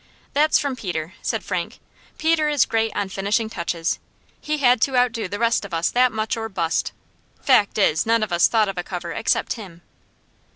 "That's from Peter," said Frank. "Peter is great on finishing touches. He had to outdo the rest of us that much or bust. Fact is, none of us thought of a cover except him."